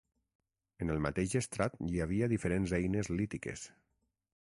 En el mateix estrat hi havia diferents eines lítiques.